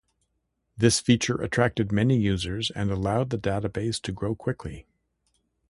This feature attracted many users and allowed the database to grow quickly.